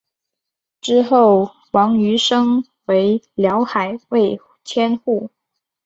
之后王瑜升为辽海卫千户。